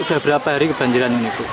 bu udah berapa hari kebanjiran ini